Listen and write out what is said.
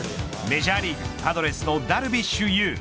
メジャーリーグパドレスのダルビッシュ有。